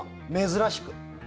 珍しく。